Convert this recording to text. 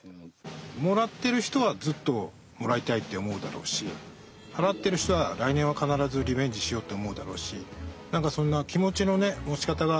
もらってる人はずっともらいたいって思うだろうし払ってる人は来年は必ずリベンジしようって思うだろうし。